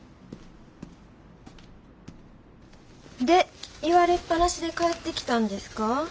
で言われっぱなしで帰ってきたんですか。